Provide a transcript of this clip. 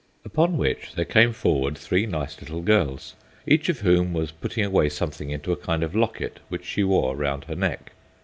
Upon which there came forward three nice little girls, each of whom was putting away something into a kind of locket which she wore round her neck.